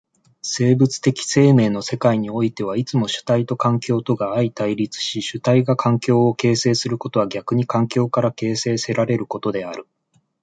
生物的生命の世界においてはいつも主体と環境とが相対立し、主体が環境を形成することは逆に環境から形成せられることである。